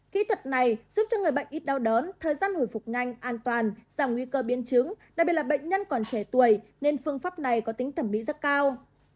kỹ thuật này giúp cho người bệnh ít đau đớn thời gian hồi phục nhanh an toàn giảm nguy cơ biến chứng đặc biệt là bệnh nhân còn trẻ tuổi nên phương pháp này có tính thẩm mỹ rất cao